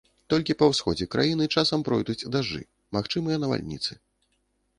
Толькі па ўсходзе краіны часам пройдуць дажджы, магчымыя навальніцы.